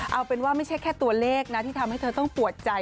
เอาเป็นว่าไม่ใช่แค่ตัวเลขนะที่ทำให้เธอต้องปวดใจ